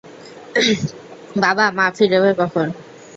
বাবা, মা ফিরবে কখন?